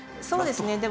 そうですね。